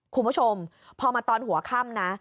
คุณผู้ชมพอมาตอนหัวค่ำนะ